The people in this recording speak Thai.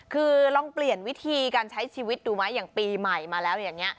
คือลองเปลี่ยนวิธีการใช้ชีวิตดูไหมอย่างปีใหม่มาแล้วอย่างนี้